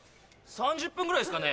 ３０分ぐらいですかね。